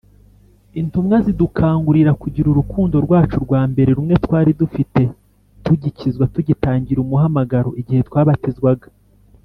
Intumwa zidukangurira kugira urukundo rwacu rwambere rumwe twari dufite tugikizwa tugitangira umuhamagaro igihe twabatizwaga.